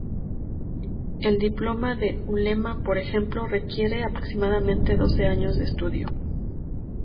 El diploma de ulema, por ejemplo, requiere aproximadamente doce años de estudio.